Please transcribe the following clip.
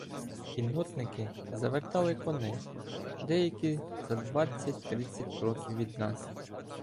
Кіннотники завертали коней, деякі — за двадцять-тридцять кроків від нас.